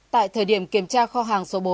tại thời điểm kiểm tra kho hàng số bốn